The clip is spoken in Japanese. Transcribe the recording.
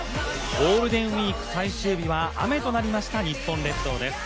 ゴールデンウイーク最終日は雨となりました日本列島です。